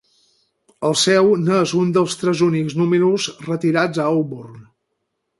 El seu n"és un dels tres únics números retirats a Auburn.